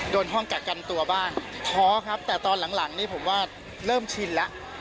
โดนห้องกักกันตัวบ้างท้อครับแต่ตอนหลังนี่ผมว่าเริ่มชินแล้ว